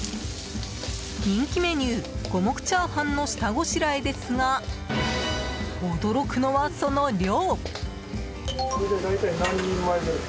人気メニュー、五目炒飯の下ごしらえですが驚くのは、その量。